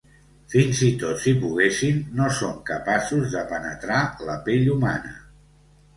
Fins i tot si poguessin, no són capaços de penetrar la pell humana.